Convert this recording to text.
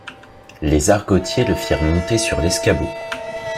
Les argotiers le firent monter sur l’escabeau.